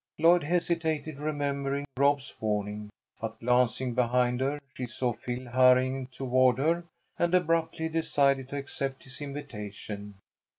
Lloyd hesitated, remembering Rob's warning, but glancing behind her, she saw Phil hurrying toward her, and abruptly decided to accept his invitation.